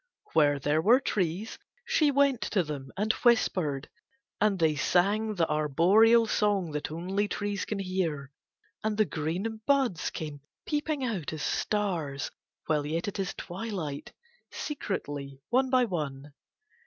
Where there were trees she went to them and whispered, and they sang the arboreal song that only trees can hear, and the green buds came peeping out as stars while yet it is twilight, secretly one by one.